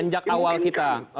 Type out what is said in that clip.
anjak awal kita